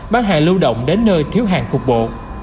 bán hàng lưu động đến nơi thiếu hàng cục bộ